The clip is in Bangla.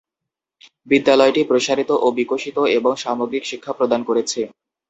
বিদ্যালয়টি প্রসারিত ও বিকাশিত এবং সামগ্রিক শিক্ষা প্রদান করেছে।